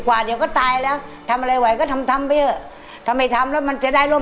กว่าเดี๋ยวก็ตายแล้วทำอะไรไหวก็ทำทำไปเถอะถ้าไม่ทำแล้วมันจะได้ร่ม